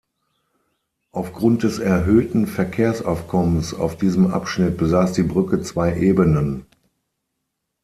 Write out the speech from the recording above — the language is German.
Aufgrund des erhöhten Verkehrsaufkommens auf diesem Abschnitt besaß die Brücke zwei Ebenen.